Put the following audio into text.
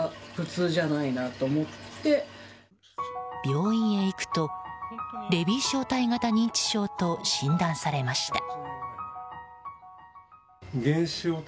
病院へ行くとレビー小体型認知症と診断されました。